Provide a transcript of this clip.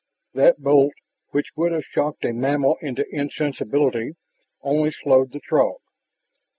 That bolt, which would have shocked a mammal into insensibility, only slowed the Throg.